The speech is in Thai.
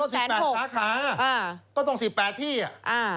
ถูกไหมครับก็สิบแปดสาขาอ่าก็ตรงสิบแปดที่อ่ะอ่า